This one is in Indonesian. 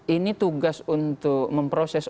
ini tugas untuk memproses